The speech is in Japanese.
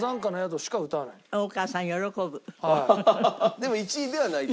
でも１位ではないと？